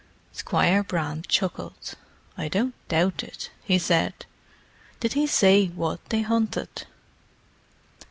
Squire Brand chuckled. "I don't doubt it," he said. "Did he say what they hunted?"